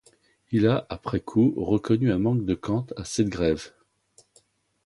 Il a, après coup, reconnu un manque de quant à cette grève.